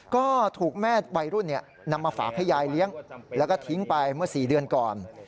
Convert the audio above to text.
ก็ถูกแม่วัยรุ่นนำมาฝากให้ยายเลี้ยงแล้วก็ทิ้งไปเมื่อ๔เดือนก่อน